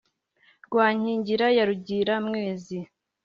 rwa nkingira ya rugira-mwezi